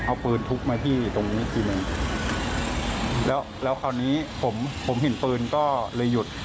เอาปืนทุบมาที่ตรงนี้ทีหนึ่งแล้วแล้วคราวนี้ผมผมเห็นปืนก็เลยหยุด